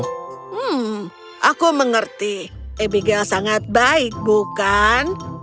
hmm aku mengerti abigail sangat baik bukan